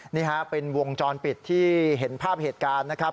นี่ฮะเป็นวงจรปิดที่เห็นภาพเหตุการณ์นะครับ